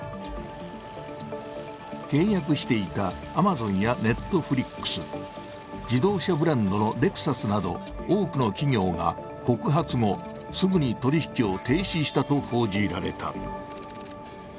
契約していたアマゾンやＮｅｔｆｌｉｘ、自動車ブランドのレクサスなど、多くの企業が告発後すぐに取引を停止したと報じられた。